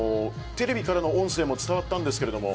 テレビからの音声も伝わったんですけれども。